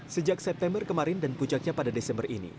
sejak september kemarin dan puncaknya pada desember ini